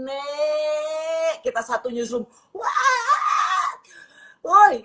satu nyusul nyusulnya kita satu nyusul nyusulnya kita satu nyusul nyusulnya kita satu nyusul nyusulnya